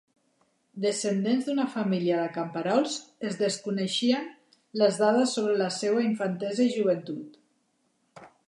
Descendent d'una família de camperols es desconeixen les dades sobre la seua infantesa i joventut.